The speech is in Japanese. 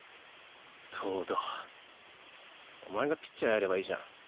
東堂お前がピッチャーやればいいじゃん。